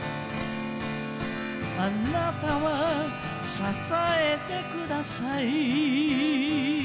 「あなたは支えてください」